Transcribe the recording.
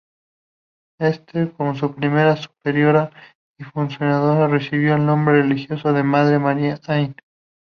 Esther, como su primera superiora y fundadora, recibió el nombre religioso de "Madre Marie-Anne".